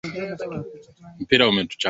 muziki sikilija rfi kiswahili